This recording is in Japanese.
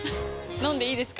飲んでいいですか？